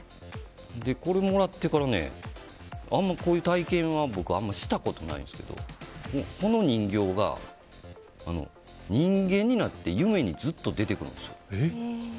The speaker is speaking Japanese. これをもらってからこういう体験は僕あんましたことないんですけどこの人形が人間になって夢にずっと出てくるんですよ。